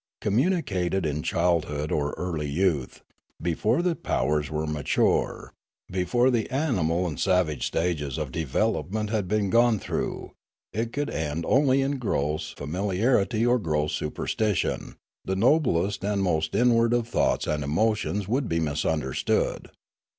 Communi cated in childhood or early youth, before the powers were mature, before the animal and savage stages of development had been gone through, it could end only in gross familiarity or gross superstition; the noblest and most inward of thoughts and emotions would be misunderstood.